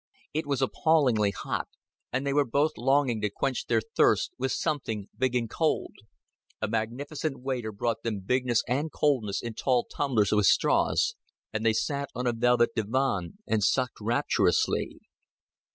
It was appallingly hot, and they were both longing to quench their thirst with something big and cold. A magnificent waiter brought them bigness and coldness in tall tumblers with straws, and they sat on a velvet divan and sucked rapturously.